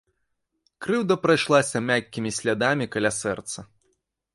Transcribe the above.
Крыўда прайшлася мяккімі слядамі каля сэрца.